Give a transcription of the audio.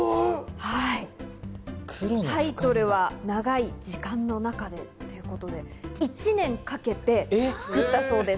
タイトルは『長い時間の中で』。１年かけて作ったそうです。